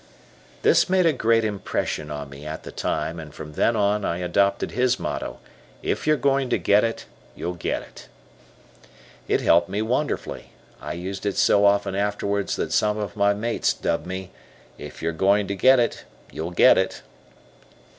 This made a great impression on me at the time, and from then on, I adopted his motto, "If you're going to get it, you'll get it." It helped me wonderfully. I used it so often afterwards that some of my mates dubbed me, "If you're going to get it, you'll get it."